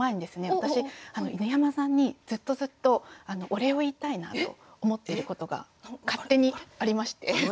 私犬山さんにずっとずっとお礼を言いたいなと思っていることが勝手にありまして。